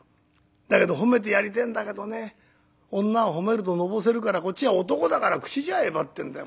だけど褒めてやりてえんだけどね女を褒めるとのぼせるからこっちは男だから口じゃあえばってんだよ。